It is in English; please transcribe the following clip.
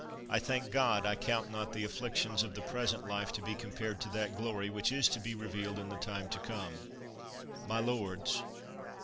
I thank God I count not the afflictions of the present life to be compared to that glory which is to be re vealed m the time to come. My lords